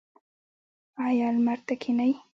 ایا لمر ته کینئ؟